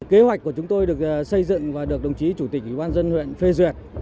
kế hoạch của chúng tôi được xây dựng và được đồng chí chủ tịch ủy ban dân huyện phê duyệt